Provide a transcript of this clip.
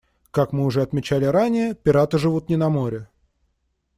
Как мы уже отмечали ранее, пираты живут не на море.